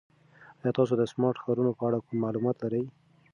ایا تاسو د سمارټ ښارونو په اړه کوم معلومات لرئ؟